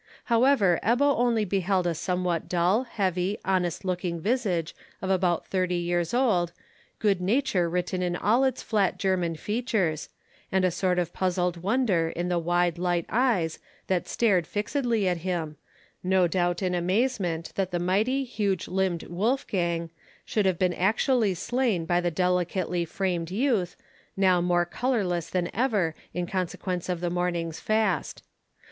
However, Ebbo only beheld a somewhat dull, heavy, honest looking visage of about thirty years old, good nature written in all its flat German features, and a sort of puzzled wonder in the wide light eyes that stared fixedly at him, no doubt in amazement that the mighty huge limbed Wolfgang could have been actually slain by the delicately framed youth, now more colourless than ever in consequence of the morning's fast.